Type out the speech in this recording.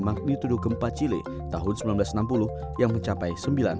magnitudo gempa cile tahun seribu sembilan ratus enam puluh yang mencapai sembilan